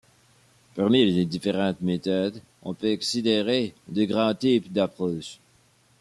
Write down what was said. Parmi les différentes méthodes, on peut considérer deux grands types d'approches.